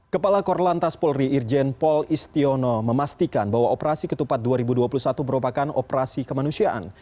kepala korlantas polri irjen pol istiono memastikan bahwa operasi ketupat dua ribu dua puluh satu merupakan operasi kemanusiaan